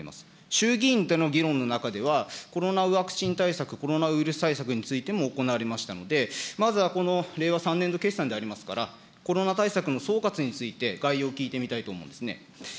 衆議院との議論の中では、コロナワクチン対策、コロナウイルス対策についても行われましたので、まずは令和３年度決算でありますから、コロナ対策の総括について、対応を聞いてみたいと思うんですね。